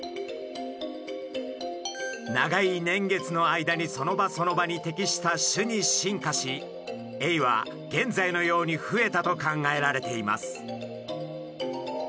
長い年月の間にその場その場に適した種に進化しエイは現在のように増えたと考えられています。